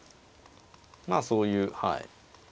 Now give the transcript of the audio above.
まあそういうはい。